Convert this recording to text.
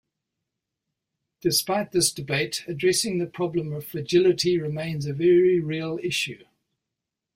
Despite this debate, addressing the problem of fragility remains a very real issue.